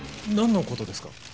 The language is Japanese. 何のことですか？